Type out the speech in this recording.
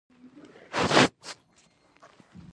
خدای دې د خولې لاړې دارو کړه زه درتلی نشم بس دوعا درته کوومه